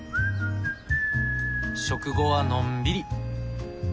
食後はのんびり。